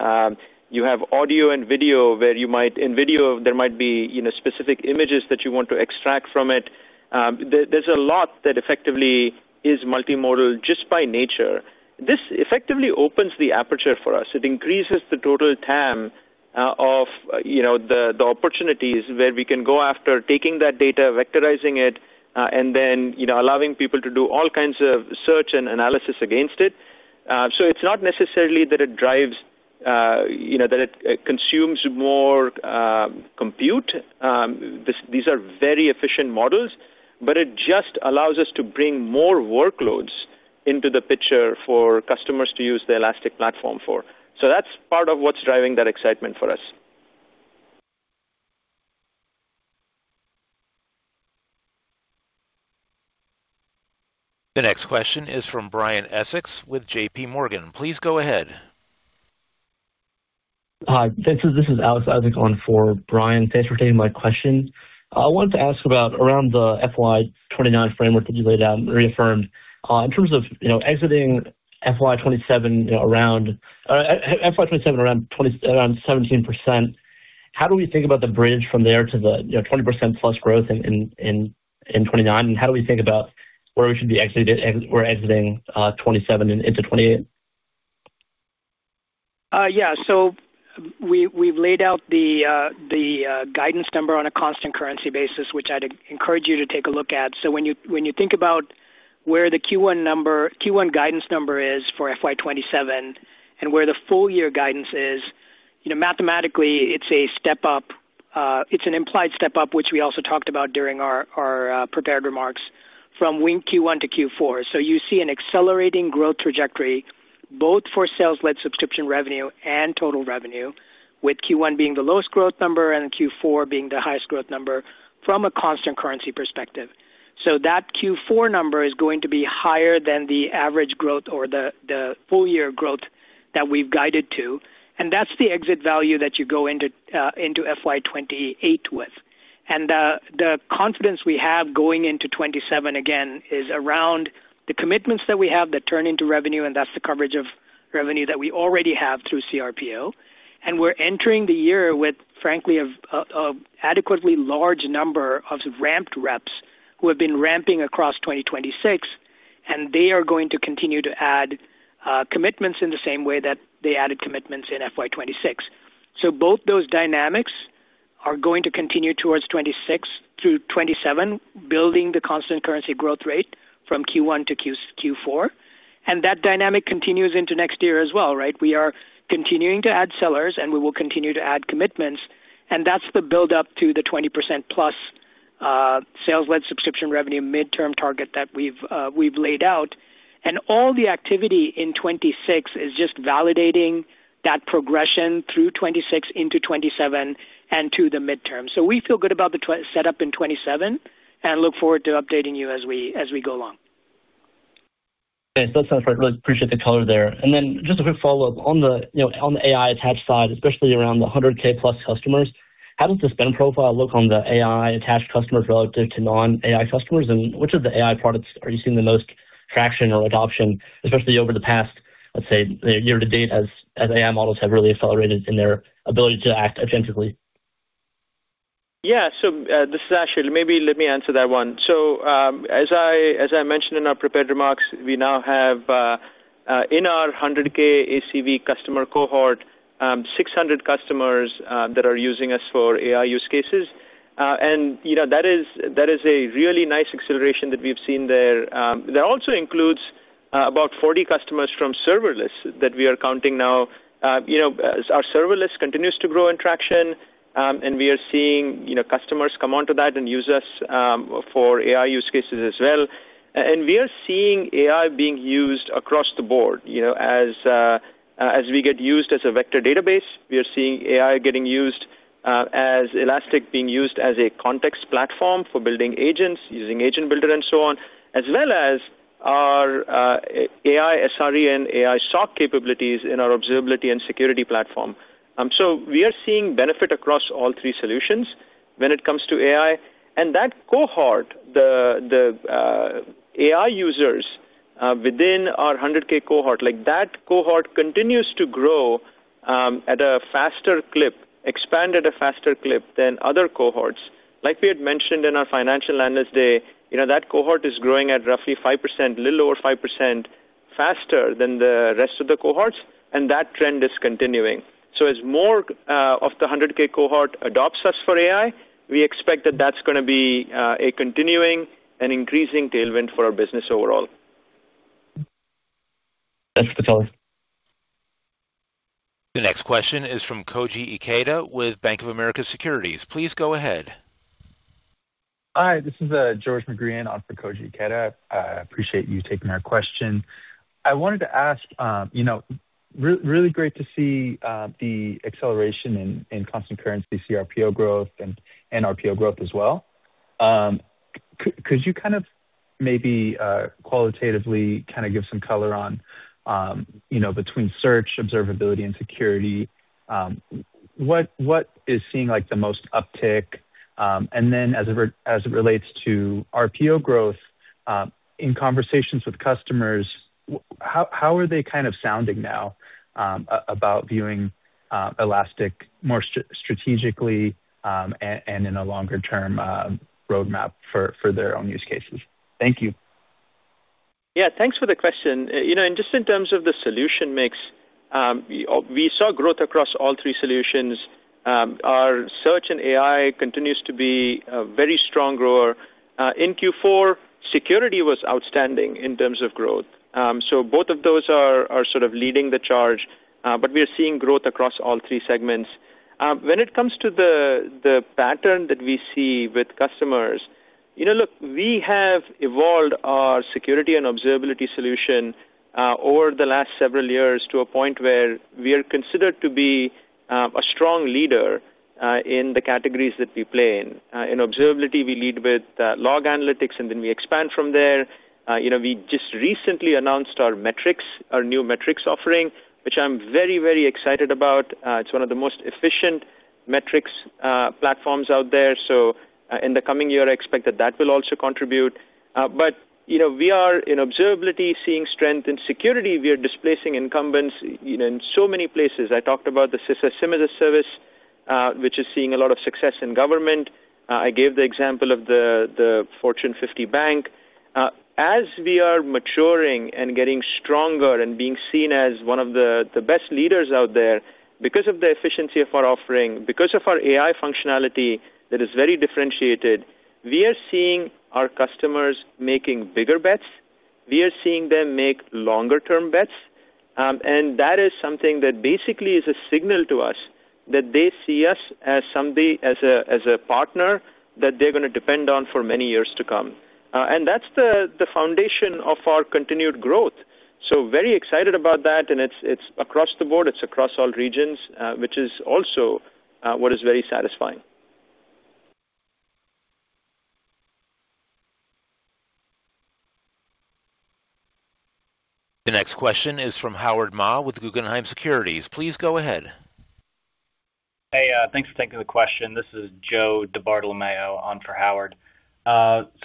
You have audio and video where in video, there might be specific images that you want to extract from it. There's a lot that effectively is multimodal just by nature. This effectively opens the aperture for us. It increases the total TAM of the opportunities where we can go after taking that data, vectorizing it, and then allowing people to do all kinds of search and analysis against it. It's not necessarily that it consumes more compute. These are very efficient models, but it just allows us to bring more workloads into the picture for customers to use the Elastic platform for. That's part of what's driving that excitement for us. The next question is from Brian Essex with J.P. Morgan. Please go ahead. Hi, this is Alexander Isaac on for Brian. Thanks for taking my question. I wanted to ask about around the FY 2029 framework that you laid out and reaffirmed. In terms of exiting FY 2027 around 17%, how do we think about the bridge from there to the 20%+ growth in 2029? How do we think about where we should be exiting 2027 into 2028? Yeah. We've laid out the guidance number on a constant currency basis, which I'd encourage you to take a look at. When you think about where the Q1 guidance number is for FY 2027 and where the full-year guidance is, mathematically, it's an implied step-up, which we also talked about during our prepared remarks from Q1 to Q4. You see an accelerating growth trajectory both for sales-led subscription revenue and total revenue, with Q1 being the lowest growth number and Q4 being the highest growth number from a constant currency perspective. That Q4 number is going to be higher than the average growth or the full-year growth that we've guided to, and that's the exit value that you go into FY 2028 with. The confidence we have going into 2027, again, is around the commitments that we have that turn into revenue, and that's the coverage of revenue that we already have through CRPO. We're entering the year with, frankly, an adequately large number of ramped reps who have been ramping across 2026, and they are going to continue to add commitments in the same way that they added commitments in FY 2026. Both those dynamics are going to continue towards 2026 through 2027, building the constant currency growth rate from Q1 to Q4. That dynamic continues into next year as well, right? We are continuing to add sellers, and we will continue to add commitments, and that's the buildup to the 20%+ sales-led subscription revenue midterm target that we've laid out. All the activity in 2026 is just validating that progression through 2026 into 2027 and to the midterm. We feel good about the setup in 2027 and look forward to updating you as we go along. Okay. That sounds right. Really appreciate the color there. Just a quick follow-up. On the AI attached side, especially around the 100,000+ customers, how does the spend profile look on the AI attached customers relative to non-AI customers? Which of the AI products are you seeing the most traction or adoption, especially over the past, let's say, year-to-date, as AI models have really accelerated in their ability to act authentically? This is Ash. Maybe let me answer that one. As I mentioned in our prepared remarks, we now have, in our 100,000 ACV customer cohort, 600 customers that are using us for AI use cases. That is a really nice acceleration that we've seen there. That also includes about 40 customers from serverless that we are counting now. As our serverless continues to grow in traction, and we are seeing customers come onto that and use us for AI use cases as well. We are seeing AI being used across the board. As we get used as a vector database, we are seeing AI getting used as Elastic being used as a context platform for building agents, using Agent Builder and so on, as well as our AI SRE and AI SOC capabilities in our observability and security platform. We are seeing benefit across all three solutions when it comes to AI. That cohort, the AI users within our 100,000 cohort, that cohort continues to grow at a faster clip, expand at a faster clip than other cohorts. Like we had mentioned in our financial analyst day, that cohort is growing at roughly 5%, a little over 5% faster than the rest of the cohorts, and that trend is continuing. As more of the 100,000 cohort adopts us for AI, we expect that that's going to be a continuing and increasing tailwind for our business overall. Thanks for the color. The next question is from Koji Ikeda with Bank of America Securities. Please go ahead. Hi, this is George McGreehan on for Koji Ikeda. I appreciate you taking our question. Really great to see the acceleration in constant currency CRPO growth and RPO growth as well. Could you maybe qualitatively give some color on between search, observability, and security, what is seeing the most uptick? As it relates to RPO growth, in conversations with customers, how are they sounding now about viewing Elastic more strategically and in a longer-term roadmap for their own use cases? Thank you. Yeah, thanks for the question. Just in terms of the solution mix, we saw growth across all three solutions. Our Search and AI continues to be a very strong grower. In Q4, Security was outstanding in terms of growth. Both of those are leading the charge, but we are seeing growth across all three segments. When it comes to the pattern that we see with customers, look, we have evolved our Security and Observability solution over the last several years to a point where we are considered to be a strong leader in the categories that we play in. In Observability, we lead with log analytics, and then we expand from there. We just recently announced our new metrics offering, which I'm very excited about. It's one of the most efficient metrics platforms out there. In the coming year, I expect that that will also contribute. We are, in observability, seeing strength. In security, we are displacing incumbents in so many places. I talked about the CISA SIEM service, which is seeing a lot of success in government. I gave the example of the Fortune 50 bank. As we are maturing and getting stronger and being seen as one of the best leaders out there, because of the efficiency of our offering, because of our AI functionality that is very differentiated, we are seeing our customers making bigger bets. We are seeing them make longer-term bets, and that is something that basically is a signal to us that they see us as a partner that they're going to depend on for many years to come. That's the foundation of our continued growth. Very excited about that, and it's across the board. It's across all regions, which is also what is very satisfying. The next question is from Howard Ma with Guggenheim Securities. Please go ahead. Hey, thanks for taking the question. This is Joseph DiBartolomeo on for Howard.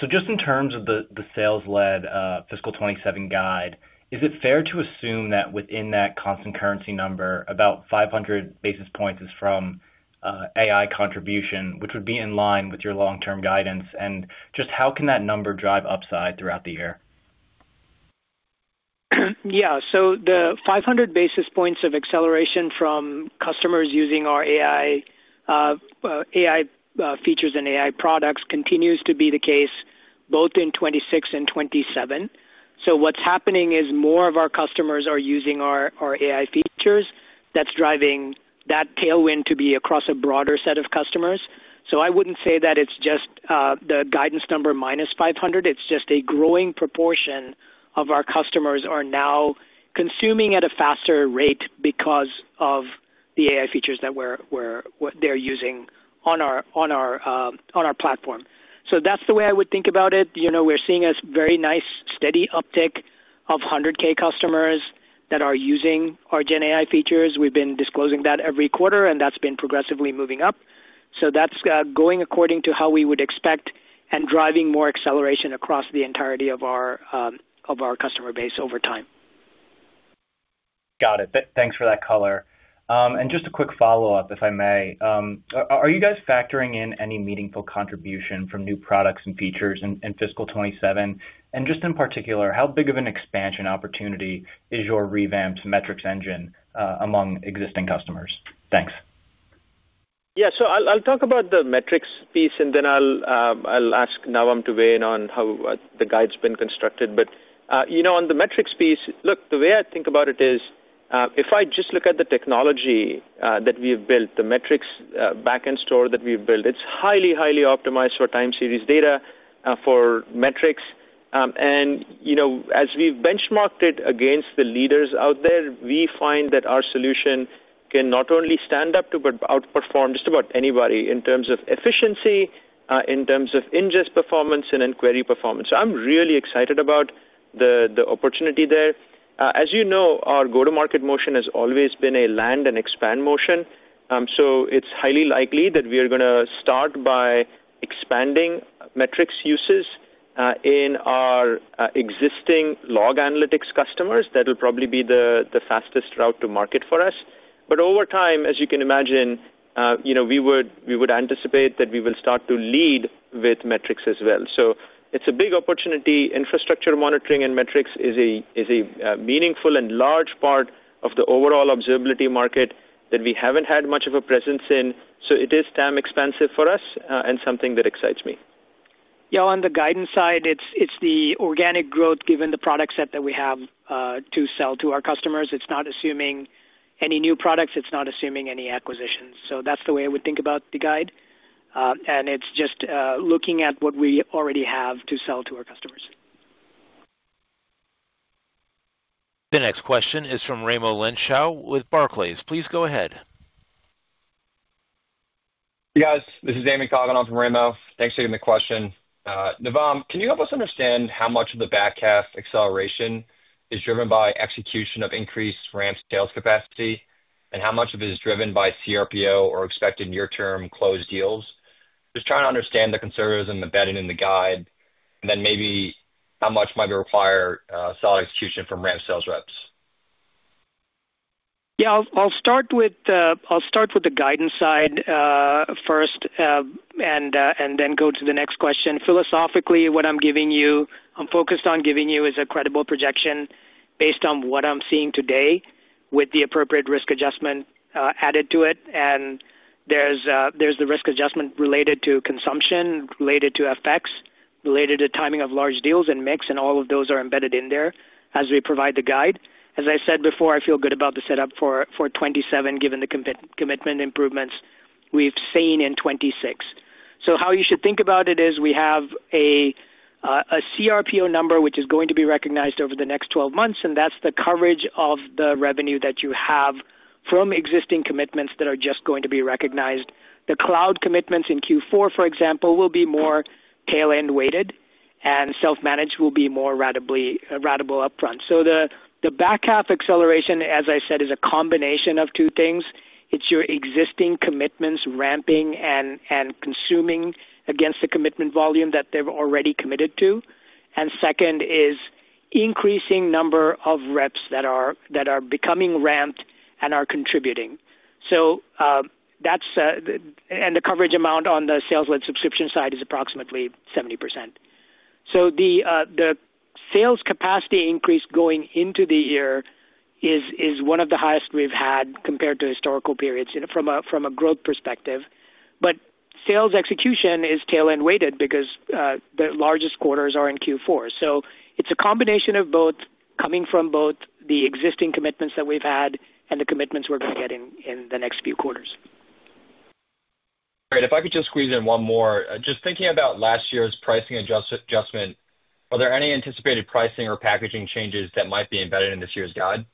Just in terms of the sales-led fiscal 2027 guide, is it fair to assume that within that constant currency number, about 500 basis points is from AI contribution, which would be in line with your long-term guidance? Just how can that number drive upside throughout the year? The 500 basis points of acceleration from customers using our AI features and AI products continues to be the case both in 2026 and 2027. What's happening is more of our customers are using our AI features. That's driving that tailwind to be across a broader set of customers. I wouldn't say that it's just the guidance number -500. It's just a growing proportion of our customers are now consuming at a faster rate because of the AI features that they're using on our platform. That's the way I would think about it. We're seeing a very nice, steady uptick of 100,000 customers that are using our gen AI features. We've been disclosing that every quarter, and that's been progressively moving up. That's going according to how we would expect and driving more acceleration across the entirety of our customer base over time. Got it. Thanks for that color. Just a quick follow-up, if I may. Are you guys factoring in any meaningful contribution from new products and features in fiscal 2027? Just in particular, how big of an expansion opportunity is your revamped metrics engine among existing customers? Thanks. I'll talk about the metrics piece, and then I'll ask Navam to weigh in on how the guide's been constructed. On the metrics piece, look, the way I think about it is, if I just look at the technology that we've built, the metrics back-end store that we've built, it's highly optimized for time series data for metrics. As we've benchmarked it against the leaders out there, we find that our solution can not only stand up to, but outperform just about anybody in terms of efficiency, in terms of ingest performance, and in query performance. I'm really excited about the opportunity there. As you know, our go-to-market motion has always been a land-and-expand motion. It's highly likely that we are going to start by expanding metrics uses in our existing log analytics customers. That'll probably be the fastest route to market for us. Over time, as you can imagine, we would anticipate that we will start to lead with metrics as well. It's a big opportunity. Infrastructure monitoring and metrics is a meaningful and large part of the overall observability market that we haven't had much of a presence in. It is TAM expansive for us and something that excites me. Yeah, on the guidance side, it's the organic growth given the product set that we have to sell to our customers. It's not assuming any new products. It's not assuming any acquisitions. That's the way I would think about the guide. It's just looking at what we already have to sell to our customers. The next question is from Raimo Lenschow with Barclays. Please go ahead. Hey, guys. This is Eamon Coughlin on for Raimo. Thanks for taking the question. Navam, can you help us understand how much of the back half acceleration is driven by execution of increased ramp sales capacity, and how much of it is driven by CRPO or expected near-term closed deals? Just trying to understand the conservatism embedded in the guide, and then maybe how much might require solid execution from ramp sales reps. I'll start with the guidance side first and then go to the next question. Philosophically, what I'm focused on giving you is a credible projection based on what I'm seeing today with the appropriate risk adjustment added to it. There's the risk adjustment related to consumption, related to FX, related to timing of large deals and mix, and all of those are embedded in there as we provide the guide. As I said before, I feel good about the setup for 2027, given the commitment improvements we've seen in 2026. How you should think about it is we have a CRPO number which is going to be recognized over the next 12 months, and that's the coverage of the revenue that you have from existing commitments that are just going to be recognized. The cloud commitments in Q4, for example, will be more tail end weighted, and self-managed will be more ratable upfront. The back half acceleration, as I said, is a combination of two things. It's your existing commitments ramping and consuming against the commitment volume that they've already committed to. Second is increasing number of reps that are becoming ramped and are contributing. The coverage amounts on the sales led subscription side is approximately 70%. The sales capacity increase going into the year is one of the highest we've had compared to historical periods from a growth perspective. Sales execution is tail end weighted because the largest quarters are in Q4. It's a combination of both coming from both the existing commitments that we've had and the commitments we're going to get in the next few quarters. Great. If I could just squeeze in one more. Just thinking about last year's pricing adjustment, are there any anticipated pricing or packaging changes that might be embedded in this year's guide?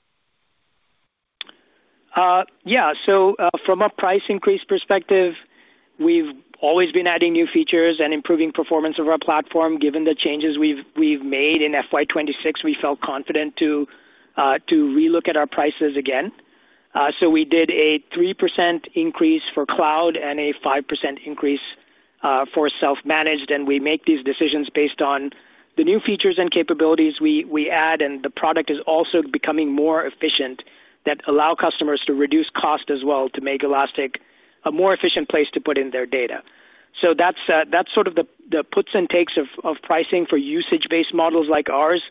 From a price increase perspective, we've always been adding new features and improving performance of our platform. Given the changes we've made in FY 2026, we felt confident to relook at our prices again. We did a 3% increase for cloud and a 5% increase for self-managed. We make these decisions based on the new features and capabilities we add, and the product is also becoming more efficient that allow customers to reduce cost as well to make Elastic a more efficient place to put in their data. That's sort of the puts and takes of pricing for usage-based models like ours.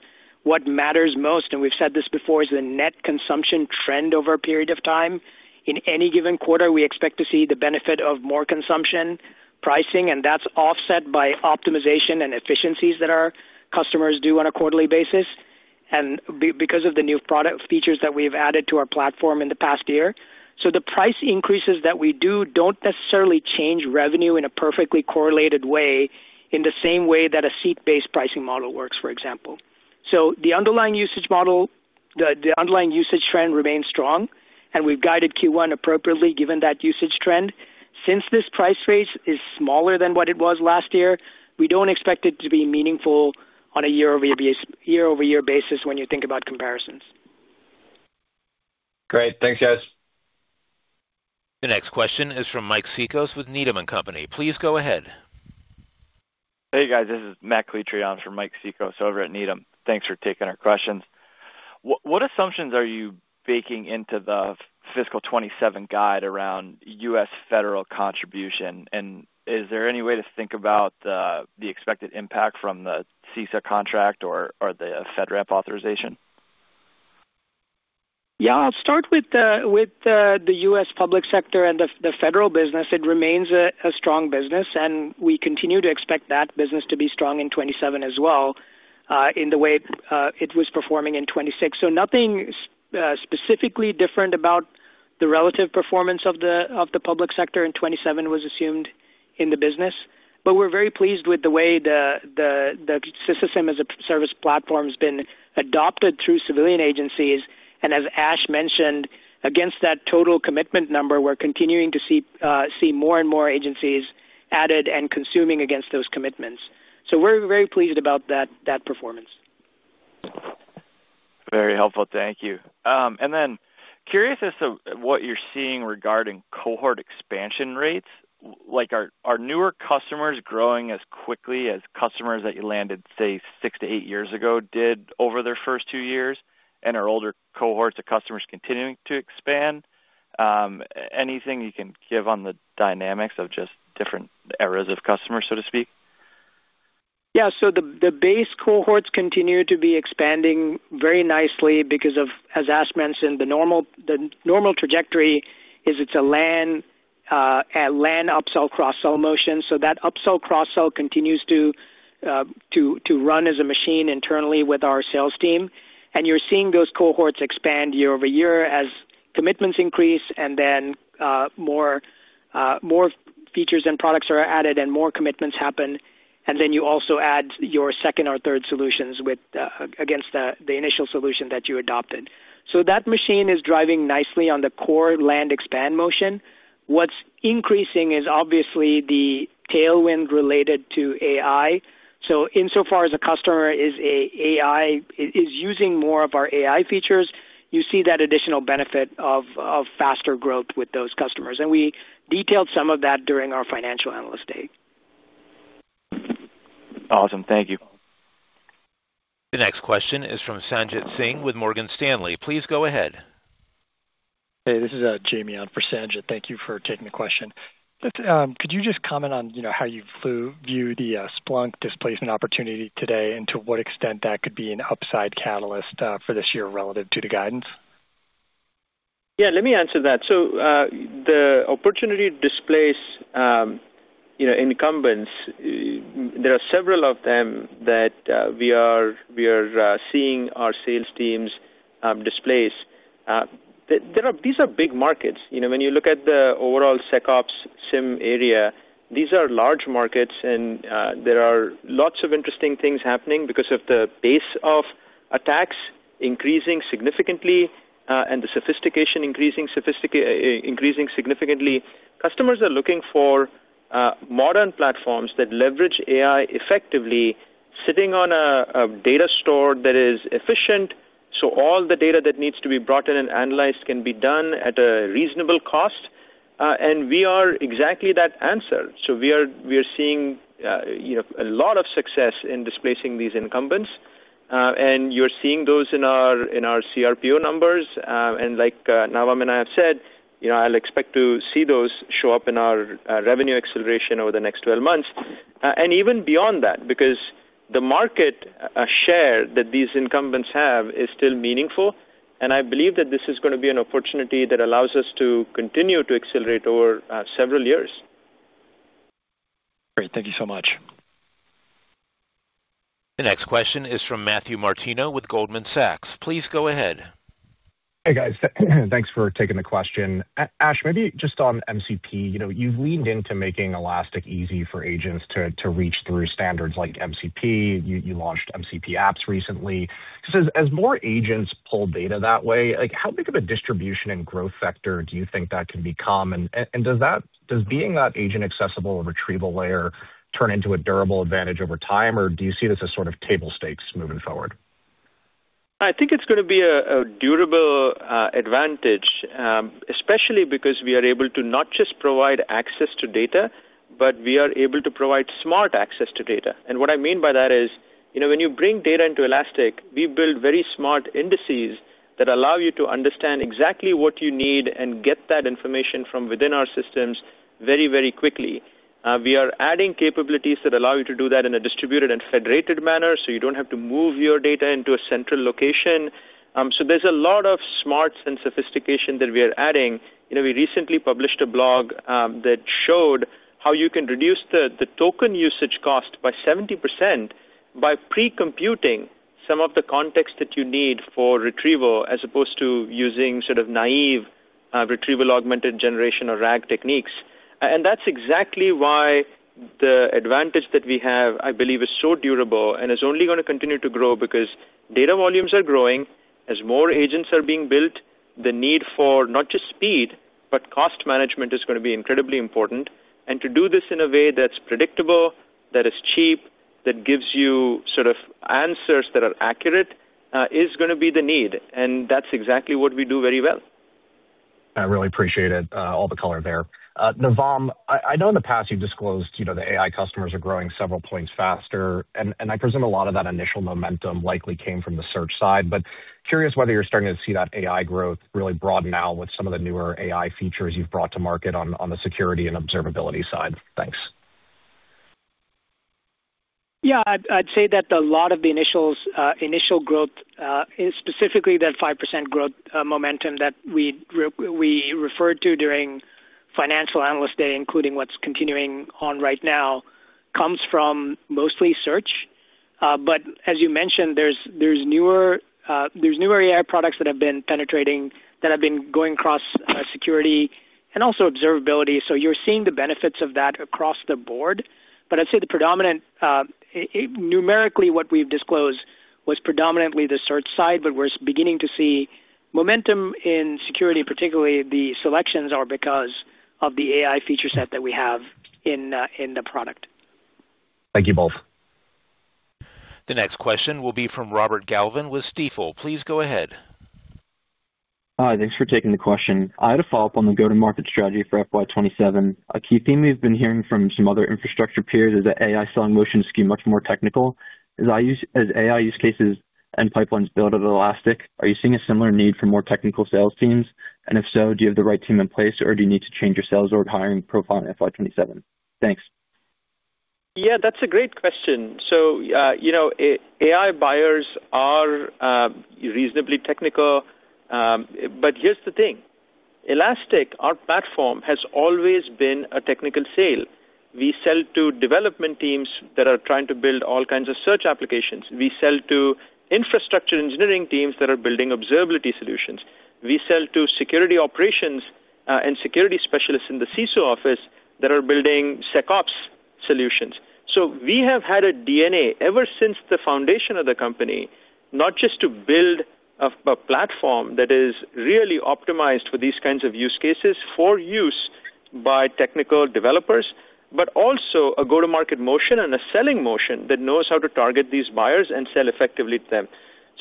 What matters most, and we've said this before, is the net consumption trend over a period of time. In any given quarter, we expect to see the benefit of more consumption pricing, that's offset by optimization and efficiencies that our customers do on a quarterly basis, because of the new product features that we've added to our platform in the past year. The price increases that we do don't necessarily change revenue in a perfectly correlated way, in the same way that a seat-based pricing model works, for example. The underlying usage trend remains strong, we've guided Q1 appropriately given that usage trend. Since this price raise is smaller than what it was last year, we don't expect it to be meaningful on a year-over-year basis when you think about comparisons. Great. Thanks, guys. The next question is from Mike Cikos with Needham & Company. Please go ahead. Hey, guys. This is Matt Calitri from Mike Cikos over at Needham & Company. Thanks for taking our questions. What assumptions are you baking into the fiscal 2027 guide around U.S. federal contribution? Is there any way to think about the expected impact from the CISA contract or the FedRAMP authorization? I'll start with the U.S. public sector and the federal business. It remains a strong business, and we continue to expect that business to be strong in 2027 as well, in the way it was performing in 2026. Nothing specifically different about the relative performance of the public sector in 2027 was assumed in the business. We're very pleased with the way the system as a service platform's been adopted through civilian agencies. As Ash mentioned, against that total commitment number, we're continuing to see more and more agencies added and consuming against those commitments. We're very pleased about that performance. Very helpful. Thank you. Curious as to what you're seeing regarding cohort expansion rates. Like, are newer customers growing as quickly as customers that you landed, say, six to eight years ago did over their first two years? Are older cohorts of customers continuing to expand? Anything you can give on the dynamics of just different eras of customers, so to speak? Yeah. The base cohorts continue to be expanding very nicely because of, as Ash mentioned, the normal trajectory is it's a land upsell cross-sell motion. That upsell cross-sell continues to run as a machine internally with our sales team. You're seeing those cohorts expand year-over-year as commitments increase and then more features and products are added and more commitments happen, and then you also add your second or third solutions against the initial solution that you adopted. That machine is driving nicely on the core land expand motion. What's increasing is obviously the tailwind related to AI. Insofar as a customer is using more of our AI features, you see that additional benefit of faster growth with those customers. We detailed some of that during our financial analyst day. Awesome. Thank you. The next question is from Sanjit Singh with Morgan Stanley. Please go ahead. Hey, this is Jamie on for Sanjit. Thank you for taking the question. Could you just comment on how you view the Splunk displacement opportunity today, and to what extent that could be an upside catalyst for this year relative to the guidance? Let me answer that. The opportunity to displace incumbents, there are several of them that we are seeing our sales teams displace. These are big markets. When you look at the overall SecOps SIEM area, these are large markets, and there are lots of interesting things happening because of the pace of attacks increasing significantly and the sophistication increasing significantly. Customers are looking for modern platforms that leverage AI effectively, sitting on a data store that is efficient, so all the data that needs to be brought in and analyzed can be done at a reasonable cost, and we are exactly that answer. We are seeing a lot of success in displacing these incumbents, and you're seeing those in our CRPO numbers. Like Navam and I have said, I'll expect to see those show up in our revenue acceleration over the next 12 months, and even beyond that, because the market share that these incumbents have is still meaningful, and I believe that this is going to be an opportunity that allows us to continue to accelerate over several years. Great. Thank you so much. The next question is from Matthew Martino with Goldman Sachs. Please go ahead. Hey, guys. Thanks for taking the question. Ash, maybe just on MCP, you've leaned into making Elastic easy for agents to reach through standards like MCP. You launched MCP Apps recently. As more agents pull data that way, how big of a distribution and growth vector do you think that can become? Does being that agent-accessible retrieval layer turn into a durable advantage over time, or do you see it as a sort of table stakes moving forward? I think it's going to be a durable advantage, especially because we are able to not just provide access to data, but we are able to provide smart access to data. What I mean by that is, when you bring data into Elastic, we build very smart indices that allow you to understand exactly what you need and get that information from within our systems very quickly. We are adding capabilities that allow you to do that in a distributed and federated manner, so you don't have to move your data into a central location. There's a lot of smarts and sophistication that we are adding. We recently published a blog that showed how you can reduce the token usage cost by 70% by pre-computing some of the context that you need for retrieval, as opposed to using naive retrieval augmented generation or RAG techniques. That's exactly why the advantage that we have, I believe, is so durable and is only going to continue to grow because data volumes are growing. As more agents are being built, the need for not just speed, but cost management is going to be incredibly important. To do this in a way that's predictable, that is cheap, that gives you answers that are accurate, is going to be the need, and that's exactly what we do very well. I really appreciate it, all the color there. Navam, I know in the past you've disclosed the AI customers are growing several points faster, and I presume a lot of that initial momentum likely came from the search side. Curious whether you're starting to see that AI growth really broaden out with some of the newer AI features you've brought to market on the security and observability side. Thanks. Yeah, I'd say that a lot of the initial growth, specifically that 5% growth momentum that we referred to during financial analyst day, including what's continuing on right now, comes from mostly search. As you mentioned, there's newer AI products that have been penetrating, that have been going across security and also observability. You're seeing the benefits of that across the board. I'd say numerically what we've disclosed was predominantly the search side, but we're beginning to see momentum in security, particularly the selections are because of the AI feature set that we have in the product. Thank you both. The next question will be from Robert Galvin with Stifel. Please go ahead. Hi. Thanks for taking the question. I had a follow-up on the go-to-market strategy for FY 2027. A key theme we've been hearing from some other infrastructure peers is that AI selling motions can be much more technical. As AI use cases and pipelines build at Elastic, are you seeing a similar need for more technical sales teams? If so, do you have the right team in place, or do you need to change your sales org hiring profile in FY 2027? Thanks. Yeah, that's a great question. AI buyers are reasonably technical, but here's the thing. Elastic, our platform, has always been a technical sale. We sell to development teams that are trying to build all kinds of search applications. We sell to infrastructure engineering teams that are building observability solutions. We sell to security operations and security specialists in the CISO office that are building SecOps solutions. We have had a DNA ever since the foundation of the company, not just to build a platform that is really optimized for these kinds of use cases for use by technical developers, but also a go-to-market motion and a selling motion that knows how to target these buyers and sell effectively to them.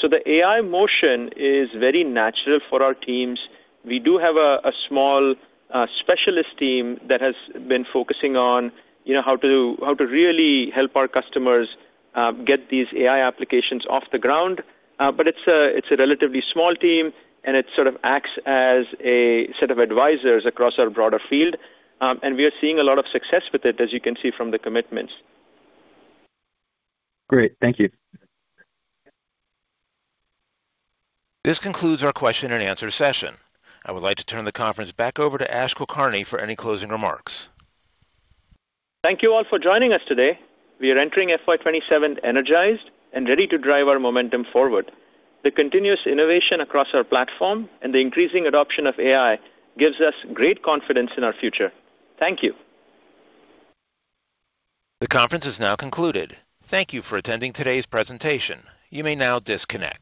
The AI motion is very natural for our teams. We do have a small specialist team that has been focusing on how to really help our customers get these AI applications off the ground. It's a relatively small team, and it sort of acts as a set of advisors across our broader field. We are seeing a lot of success with it, as you can see from the commitments. Great. Thank you. This concludes our question-and-answer session. I would like to turn the conference back over to Ashutosh Kulkarni for any closing remarks. Thank you all for joining us today. We are entering FY 2027 energized and ready to drive our momentum forward. The continuous innovation across our platform and the increasing adoption of AI gives us great confidence in our future. Thank you. The conference is now concluded. Thank you for attending today's presentation. You may now disconnect.